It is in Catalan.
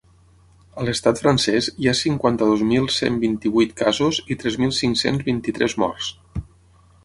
A l’estat francès hi ha cinquanta-dos mil cent vint-i-vuit casos i tres mil cinc-cents vint-i-tres morts.